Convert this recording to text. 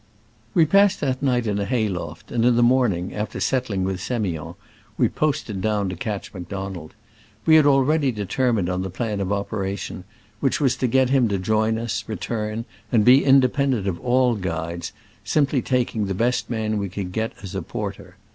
We passed that night in a hay loft, and in the morning, after settling with S6miond, we posted down to catch Mac donald. We had already determined on the plan of operation, which was to get him to join us, return, and be inde pendent of all guides, simply taking the best man we could get as a porter.